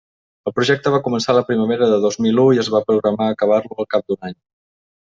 El projecte va començar la primavera del dos mil u, i es va programar acabar-lo al cap d'un any.